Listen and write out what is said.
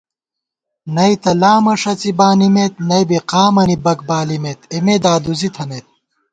نئیتہ لامہ ݭَڅی بانِمېت نئ بی قامَنی بَک بالِمېت اېمےدادُوزی تھنَئیت